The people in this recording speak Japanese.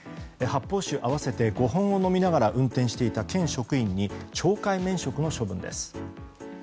発泡酒合わせて５本を飲みながら運転していた県職員に懲戒免職の処分です。